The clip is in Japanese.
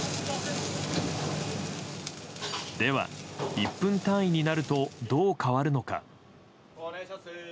では、１分単位になるとどう変わるのか。